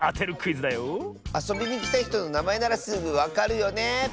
あそびにきたひとのなまえならすぐわかるよね。